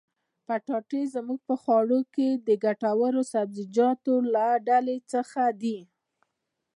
پټاټې زموږ په خوړو کښي د ګټورو سبزيجاتو له ډلي څخه دي.